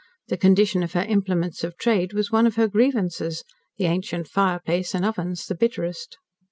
The condition of her implements of trade was one of her grievances the ancient fireplace and ovens the bitterest.